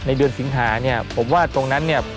ในเดือนสิงหาผมว่าตรงนั้น